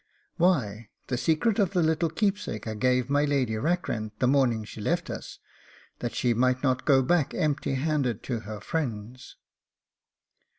'Why, the secret of the little keepsake I gave my Lady Rackrent the morning she left us, that she might not go back empty handed to her friends.